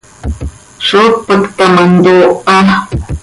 ¿Zó tpacta ma ntooha?